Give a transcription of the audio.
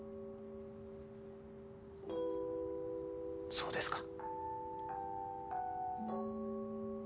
そうですか。